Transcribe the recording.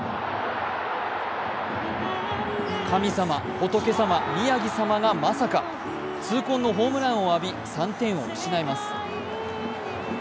神様・仏様・宮城様がまさか痛恨のホームランを浴び３点を失います。